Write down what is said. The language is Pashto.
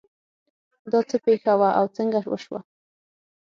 دا څه پېښه وه او څنګه وشوه